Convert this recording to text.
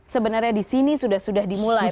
sebenarnya di sini sudah dimulai program program itu